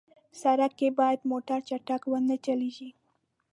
سړک کې باید موټر چټک ونه چلېږي.